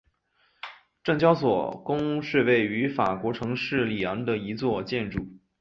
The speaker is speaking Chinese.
证交所宫是位于法国城市里昂的一座建筑。